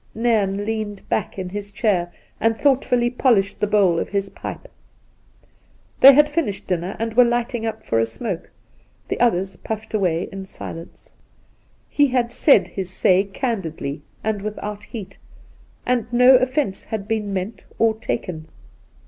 Nairn leaned back in his chair, and thoughtfully polished the bowl of his pipe. They had finished dinner, and were lighting up for a smoke. The others puffed away in silence. He had said his say candidly and without heat, and no offence had been meant or taken.